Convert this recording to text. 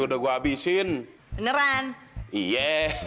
udah gua abisin beneran iya